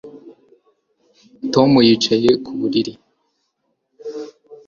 Tom yicaye ku buriri